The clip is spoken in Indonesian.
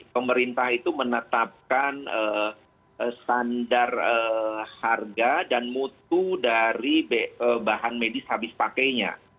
pemerintah itu menetapkan standar harga dan mutu dari bahan medis habis pakainya